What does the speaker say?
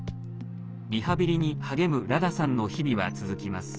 リハビリに励むラダさんの日々は続きます。